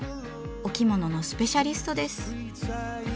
お着物のスペシャリストです。